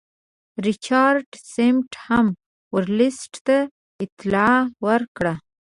ریچارډ سمیت هم ورلسټ ته اطلاع ورکړه.